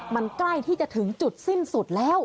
มันใกล้ที่จะถึงจุดสิ้นสุดแล้ว